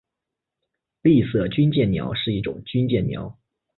丽色军舰鸟是一种军舰鸟。